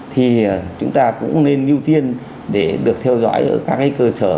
thì chúng ta cũng nên ưu tiên để được theo dõi ở các cơ sở